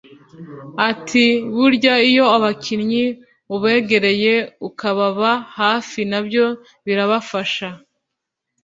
Ati “Burya iyo abakinnyi ubegereye ukababa hafi nabyo birafasha